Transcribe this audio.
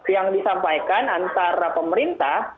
yang disampaikan antara pemerintah